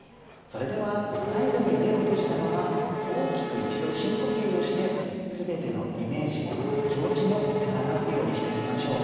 それでは最後に目を閉じたまま大きく一度深呼吸をして全てのイメージも気持ちも手放すようにしてみましょう。